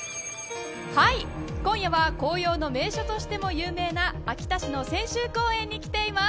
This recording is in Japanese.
今夜は紅葉の名所としても有名な秋田市の千秋公園に来ています。